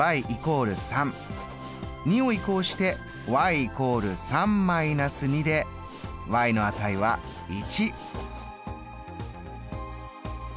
２を移項して＝３−２での値は１。